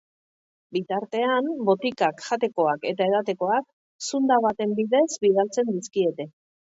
Bitartean, botikak, jatekoak eta edatekoak zunda baten bidez bidaltzen dizkiete.